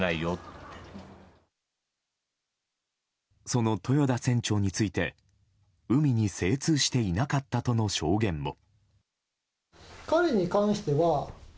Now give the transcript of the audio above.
その豊田船長について海に精通していなかったとの証言も。